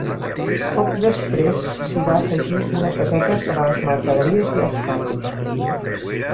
Poc després s'hi va afegir una caseta per a les mercaderies i els carros.